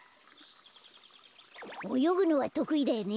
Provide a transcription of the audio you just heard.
およぐのはとくいだよね？